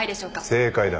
正解だ。